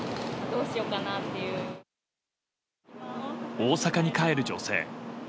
大阪に帰る女性。